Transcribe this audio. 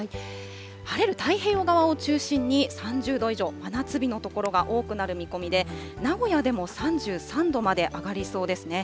晴れる太平洋側を中心に３０度以上、真夏日の所が多くなる見込みで、名古屋でも３３度まで上がりそうですね。